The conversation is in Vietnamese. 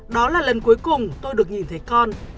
đó là lần cuối cùng tôi được nhìn thấy con